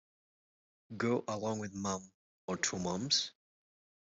Go along with mum, or two mums?